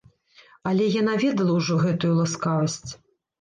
Але яна ведала ўжо гэтую ласкавасць.